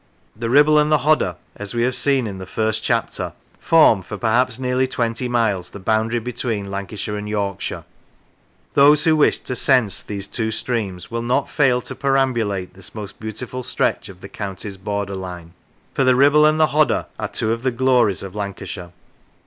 The Kibble and the Hodder, as we have seen in the first chapter, form, for perhaps nearly twenty miles, the boundary between Lancashire and Yorkshire. Those who wish to " sense " these two streams will not fail to perambulate this most beautiful stretch of the county's border line. For the Kibble and the Hodder are' two of the glories of Lancashire.